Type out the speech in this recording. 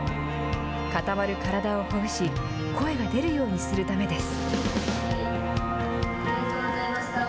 固まる体をほぐし声が出るようにするためです。